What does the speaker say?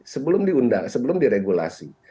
sebelum diundang sebelum diregulasi